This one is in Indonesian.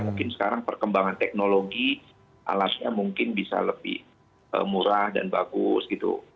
mungkin sekarang perkembangan teknologi alatnya mungkin bisa lebih murah dan bagus gitu